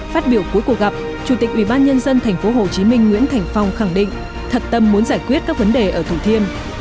phát biểu cuối cuộc gặp chủ tịch ubnd tp hcm nguyễn thành phong khẳng định thật tâm muốn giải quyết các vấn đề ở thủ thiêm